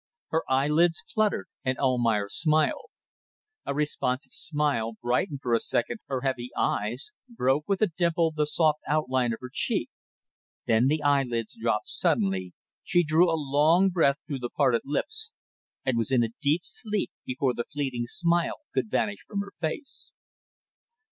Her eyelids fluttered and Almayer smiled. A responsive smile brightened for a second her heavy eyes, broke with a dimple the soft outline of her cheek; then the eyelids dropped suddenly, she drew a long breath through the parted lips and was in a deep sleep before the fleeting smile could vanish from her face.